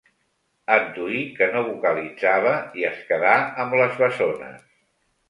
Adduí que no vocalitzava i es quedà amb les bessones.